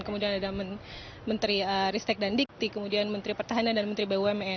kemudian ada menteri ristek dan dikti kemudian menteri pertahanan dan menteri bumn